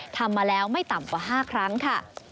ทำมาแล้วไม่ต่ำกว่า๕ครั้งค่ะ